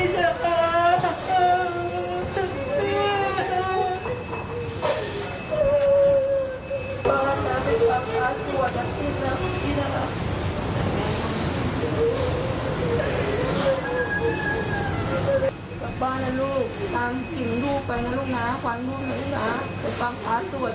สังคมนี้ครับ